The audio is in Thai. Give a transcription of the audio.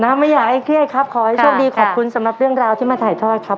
ไม่อยากให้เครียดครับขอให้โชคดีขอบคุณสำหรับเรื่องราวที่มาถ่ายทอดครับ